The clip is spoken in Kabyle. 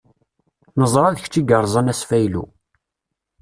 Neẓra d kečč i yerẓan asfaylu.